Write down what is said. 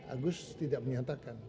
agus tidak menyatakan